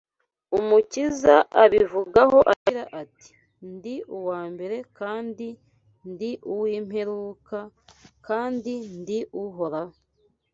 Umukiza abivugaho agira ati: Ndi uwa mbere kandi ndi uw’imperuka, kandi ndi Uhoraho